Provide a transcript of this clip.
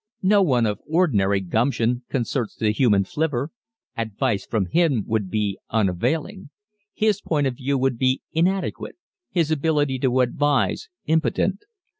No one of ordinary gumption consults the human "flivver." Advice from him would be unavailing. His point of view would be inadequate his ability to advise, impotent.